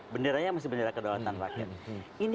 benderanya masih bendera kedaulatan rakyat